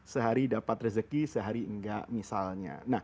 sehari dapat rezeki sehari enggak misalnya